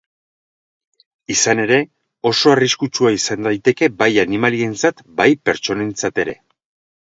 Izan ere, oso arriskutsua izan daiteke bai animalientzat bai pertsonentzat ere.